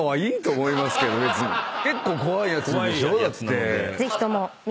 結構怖いやつでしょだって。